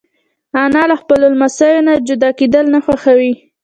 انا له خپلو لمسیو نه جدا کېدل نه خوښوي